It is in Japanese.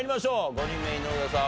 ５人目井上さん